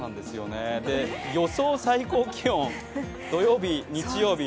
予想最高気温、土曜日、日曜日。